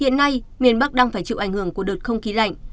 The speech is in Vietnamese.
hiện nay miền bắc đang phải chịu ảnh hưởng của đợt không khí lạnh